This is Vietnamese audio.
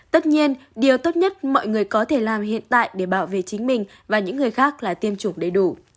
tất nhiên điều tốt nhất mọi người có thể làm hiện tại để bảo vệ chính mình và những người khác là tiêm chủng đầy đủ